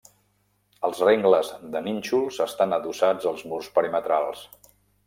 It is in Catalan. Els rengles de nínxols estan adossats als murs perimetrals.